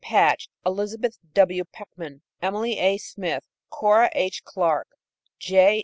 Patch, Elizabeth W. Peckham, Emily A. Smith, Cora H. Clarke, J.